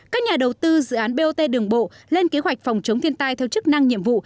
các nhà đầu tư dự án bot đường bộ lên kế hoạch phòng chống thiên tai theo chức năng nhiệm vụ